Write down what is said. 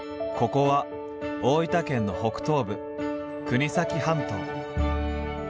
ここは大分県の北東部国東半島。